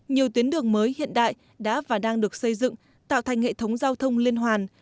nhiều tuyến đường mới hiện đại đã và đang được xây dựng tạo thành hệ thống giao thông liên hoàn